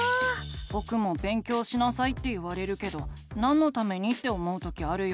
ぼくも「勉強しなさい」って言われるけどなんのためにって思う時あるよ。